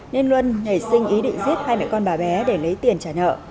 nên luân nảy sinh ý định giết hai mẹ con bà bé để lấy tiền trả nợ